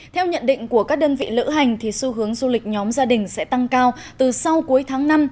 theo nhận định của các đơn vị lữ hành thì xu hướng du lịch nhóm gia đình sẽ tăng cao từ sau cuối tháng năm